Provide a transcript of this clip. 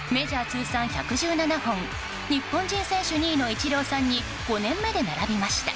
通算１１７本日本人選手２位のイチローさんに５年目で並びました。